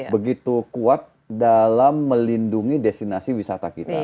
begitu kuat dalam melindungi destinasi wisata kita